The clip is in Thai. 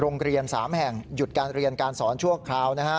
โรงเรียน๓แห่งหยุดการเรียนการสอนชั่วคราวนะฮะ